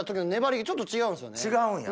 違うんや。